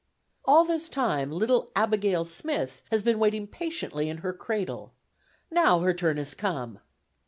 All this time little Abigail Smith has been waiting patiently in her cradle; now her turn has come.